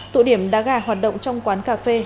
tụ điểm đá gà hoạt động trong quán cà phê